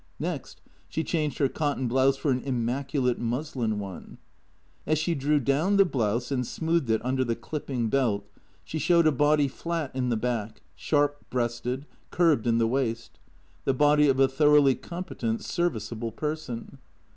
Next she changed her cotton blouse for an immaculate muslin one. As she drew down the blouse and smoothed it under the clipping belt, she showed a body flat in the back, sharp breasted, curbed in the waist; the body of a thoroughly competent, serviceable person.